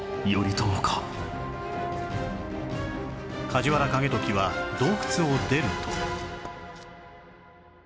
梶原景時は洞窟を出ると